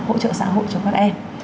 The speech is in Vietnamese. hỗ trợ xã hội cho các em